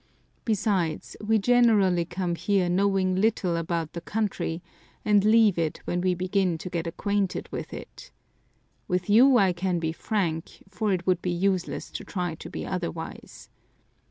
Besides, we generally come here knowing little about the country and leave it when we begin to get acquainted with it. With you I can be frank, for it would be useless to try to be otherwise.